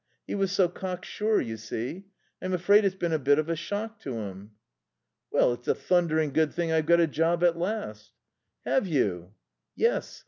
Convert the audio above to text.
He was so cocksure, you see. I'm afraid it's been a bit of a shock to him." "Well, it's a thundering good thing I've got a job at last." "Have you?" "Yes.